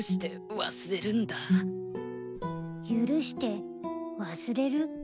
「許して忘れる」？